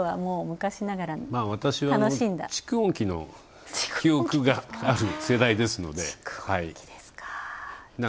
私は蓄音機の記憶がある世代ですので。